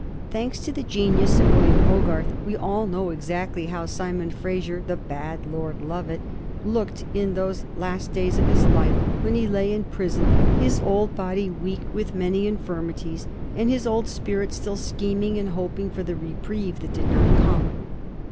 Thanks to the genius of William Hogarth, we all know exactly how Simon Fraser, the bad Lord Lovat, looked in those last days of his life when he lay in prison, his old body weak with many in firmities, and his old spirit still scheming and hoping for the reprieve that did not come.